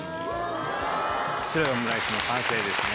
白いオムライスの完成ですね。